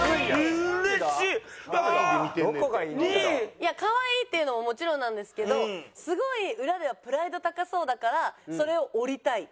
いや可愛いっていうのももちろんなんですけどすごい裏ではプライド高そうだからそれを折りたい。